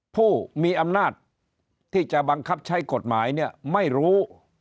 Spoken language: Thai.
ผู้มีอำนาจที่จะบังคับใช้กฎหมายเนี่ยไม่รู้